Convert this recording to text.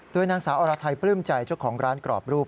โดยนางสาวอรไทยปลื้มใจเจ้าของร้านกรอบรูป